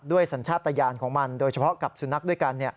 ด้วยสัญชาตญาณของมันโดยเฉพาะกับสุนัขด้วยกัน